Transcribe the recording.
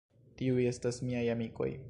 Tiuj estas miaj amikoj.